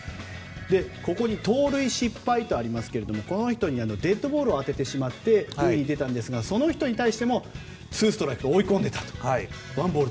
ここに盗塁失敗とありますけれどもこの人にはデッドボールを当ててしまって塁に出たんですがその人に対してもワンボール、ツーストライクと追い込んでいたと。